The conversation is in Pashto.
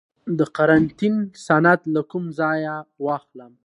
د قرنطین سند له کوم ځای واخلم؟